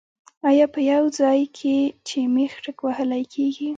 او يا پۀ يو ځائے کې چې مېخ ټکوهلی کيږي